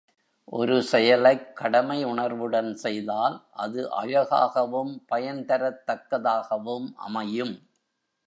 ஒரு செயலைக் கடமை உணர்வுடன் செய்தால் அது அழகாகவும் பயன்தரத் தக்கதாகவும் அமையும்.